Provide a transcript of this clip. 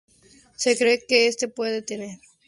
Se cree que este puente pudo tener un origen romano.